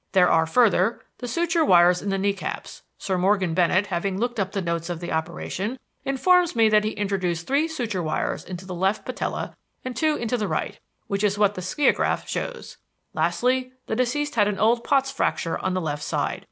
There are, further, the suture wires in the knee caps; Sir Morgan Bennett, having looked up the notes of the operation, informs me that he introduced three suture wires into the left patella and two into the right; which is what the skiagraph shows. Lastly, the deceased had an old Pott's fracture on the left side.